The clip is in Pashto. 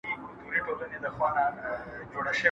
¬ د جېب نه و باسه پيسې، ورباندي وخوره پتاسې.